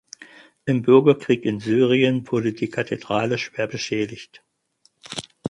Im Bürgerkrieg in Syrien wurde die Kathedrale schwer beschädigt.